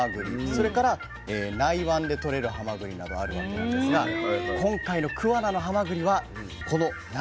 それから内湾でとれるハマグリなどあるわけなんですが今回の桑名のハマグリはこの内湾性のハマグリ。